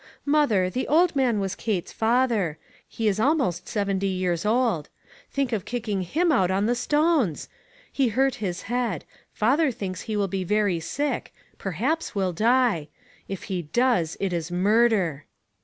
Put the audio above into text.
"Mother, the old man was Kate's father. He is almost seventy years old. Think of kicking him out on the stones! He hurt his head. Father thinks 344 ONE COMMONPLACE DAY. he will be very sick; perhaps, will die. If he does, it is murder